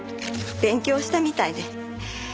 勉強したみたいで。